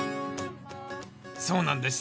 そうなんです。